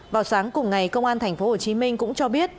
vào sáng cùng ngày công an tp hcm cũng cho biết